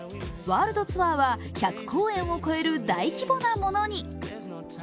ワールドツアーは１００公演を超える大規模なものに。